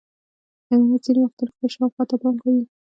حیوانات ځینې وختونه خپل شاوخوا ته پام کوي.